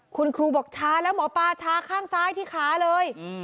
คุณครูบอกชาแล้วหมอปลาชาข้างซ้ายที่ขาเลย